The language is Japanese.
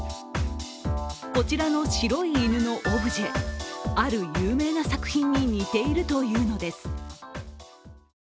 こちらの白い犬のオブジェ、ある有名な作品に似ているというのです。